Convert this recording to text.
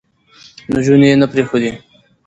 نجونې يې نه پرېښودې،